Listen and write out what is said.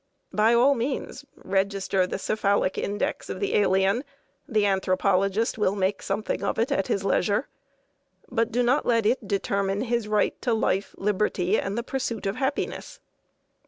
By all means register the cephalic index of the alien, the anthropologist will make something of it at his leisure, but do not let it determine his right to life, liberty, and the pursuit of happiness.